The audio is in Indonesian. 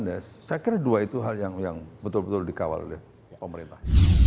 saya kira dua itu hal yang betul betul dikawal oleh pemerintah